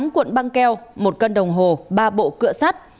một mươi tám cuộn băng keo một cân đồng hồ ba bộ cửa sắt